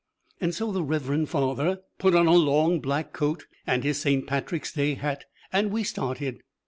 And so the reverend father put on a long, black coat and his Saint Patrick's Day hat, and we started.